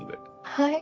はい。